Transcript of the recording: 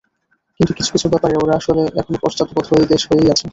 কিন্তু কিছু কিছু ব্যাপারে ওরা আসলে এখনো পশ্চাত্পদ দেশ হয়েই আছে।